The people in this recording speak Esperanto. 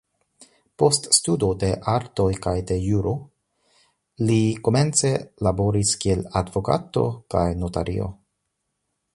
Post studo de artoj kaj de juro, li komence laboris kiel advokato kaj notario.